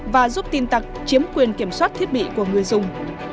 và giúp tin tặc chiếm quyền kiểm soát thiết bị của người dùng